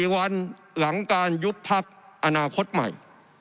๔วันหลังการยุบพักอนาคตใหม่